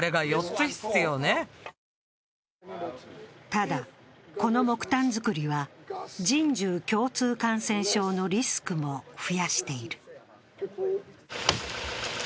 ただ、この木炭作りは人獣共通感染症のリスクも増やしている。